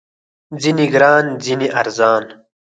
ځینې ګران، ځینې ارزان